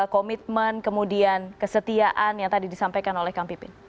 komitmen kemudian kesetiaan yang tadi disampaikan oleh kang pipin